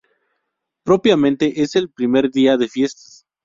Propiamente, es el primer día de fiestas.